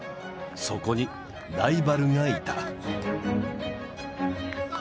そこにライバルがいた。